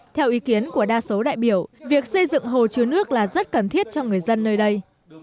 theo ý kiến của đa số đại biểu việc xây dựng hồ chứa nước là rất cần thiết cho người dân nơi đây